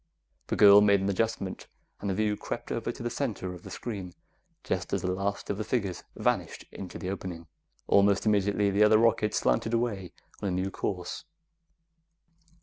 The girl made an adjustment, and the view crept over to the center of the screen just as the last of the figures vanished into the opening. Almost immediately, the other rocket slanted away on a new course.